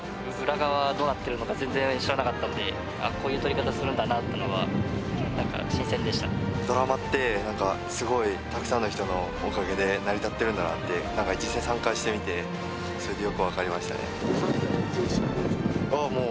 裏側はどうなってるのか全然知らなかったんであっこういう撮り方するんだなってのは何か新鮮でしたドラマってすごいたくさんの人のおかげで成り立ってるんだなって実際参加してみてそれでよく分かりましたねああ